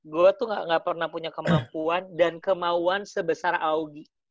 gue tuh gak pernah punya kemampuan dan kemauan sebesar augi